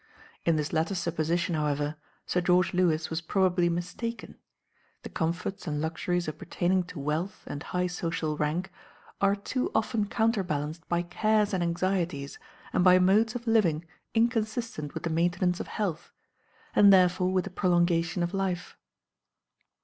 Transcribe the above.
In this latter supposition, however, Sir George Lewis was probably mistaken: the comforts and luxuries appertaining to wealth and high social rank are too often counterbalanced by cares and anxieties, and by modes of living inconsistent with the maintenance of health, and therefore with the prolongation of life.